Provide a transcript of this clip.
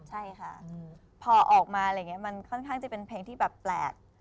ใช่ค่ะพอออกมามันค่อนข้างจะเป็นเพลงที่แบบแปลก